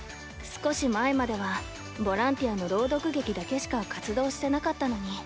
少し前まではボランティアの朗読劇だけしか活動してなかったのに。